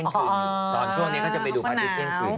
ตอนช่วงนี้เขาจะไปดูพระอาทิตย์เที่ยงคืน